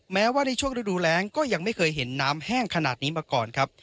แม้ว่าในช่วงฤดูแรงก็ยังไม่เคยเห็นน้ำแห้งขนาดนี้มาก่อนครับ